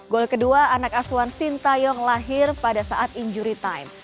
gol kedua anak asuhan sintayong lahir pada saat injury time